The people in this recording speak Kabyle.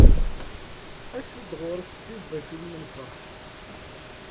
Aset-d ɣur-s s tiẓẓifin n lferḥ.